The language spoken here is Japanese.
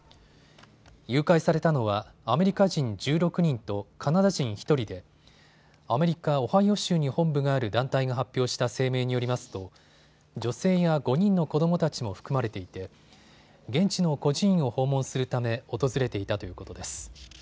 誘拐されたのはアメリカ人１６人とカナダ人１人でアメリカ・オハイオ州に本部がある団体が発表した声明によりますと女性や５人の子どもたちも含まれていて現地の孤児院を訪問するため訪れていたということです。